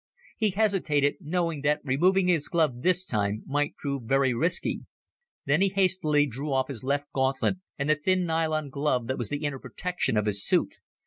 He hesitated, knowing that removing his glove this time might prove very risky. Then he hastily drew off his left gauntlet and the thin nylon glove that was the inner protection of his suit.